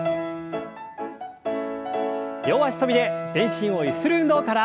両脚跳びで全身をゆする運動から。